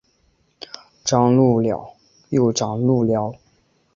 张路寮又掌路寮。